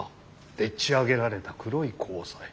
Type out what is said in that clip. でっち上げられた黒い交際」。